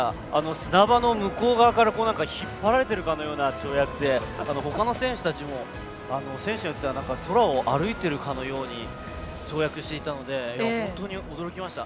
砂場の向こう側から引っ張られてるかのような跳躍で、ほかの選手たちも選手によっては空を歩いているかのように跳躍していたので本当に驚きました。